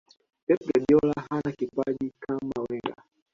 pep guardiola hana kipaji kama wenger